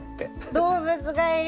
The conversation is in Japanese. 動物がいる。